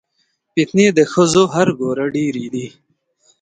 فتنې د ښځو هر ګوره ډېرې دي